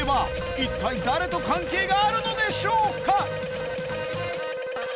一体誰と関係があるのでしょうか？